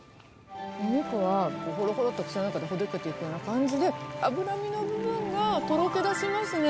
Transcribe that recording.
お肉がほろほろと口の中でほどけていくような感じで、脂身の部分がとろけだしますね。